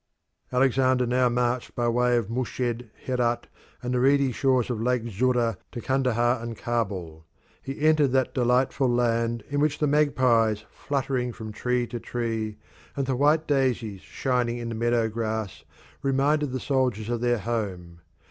Alexander now marched by way of Mushed, Herat, and the reedy shores of Lake Zurrah to Kandahar and Kabul. He entered that delightful land in which the magpies fluttering from tree to tree, and the white daisies shining in the meadow grass, reminded the soldiers of their home.